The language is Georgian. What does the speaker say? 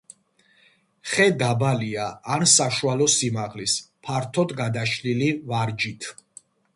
ხე დაბალია ან საშუალო სიმაღლის, ფართოდ გადაშლილი ვარჯით.